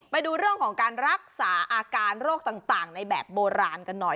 ไปดูเรื่องของการรักษาอาการโรคต่างในแบบโบราณกันหน่อย